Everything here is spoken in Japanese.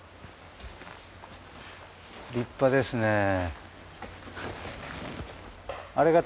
立派ですね。